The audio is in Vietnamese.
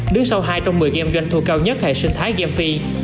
đứng sau hai trong một mươi game doanh thu cao nhất hệ sinh thái gamefi